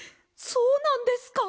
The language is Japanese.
そうなんですか？